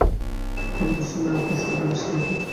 আত্মপ্রতিষ্ঠা নয়, আত্মোৎসর্গই বিশ্বের উচ্চতম বিধান।